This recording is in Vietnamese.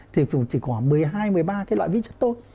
thì chỉ có một mươi hai một mươi ba loại ví chất thôi